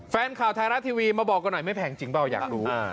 แฟนข่าวไทยรัฐทีวีมาบอกกันหน่อยไม่แพงจริงเปล่าอยากรู้